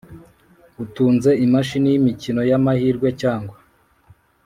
Utunze imashini y imikino y amahirwe cyangwa